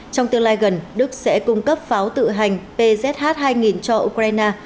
trong tương lai gần đức sẽ cung cấp pháo tự hành pch hai nghìn cho ukraine